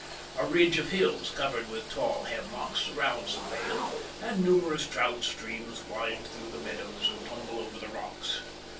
A ridge of hills covered with tall hemlocks surrounds the vale, and numerous trout streams wind through the meadows and tumble over the rocks.